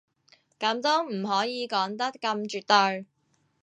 噉都唔可以講得咁絕對